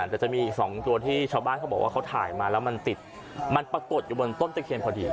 แต่จะมี๒ตัวที่ชาวบ้านเขาบอกว่าถ่ายมาแล้วมันติดประตวดบนต้นจดเข้นพอดี